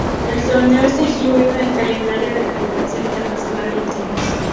El torneo está incluido en el calendario de la Federación Internacional de Tenis.